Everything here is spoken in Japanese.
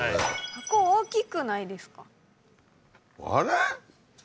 箱大きくないですか？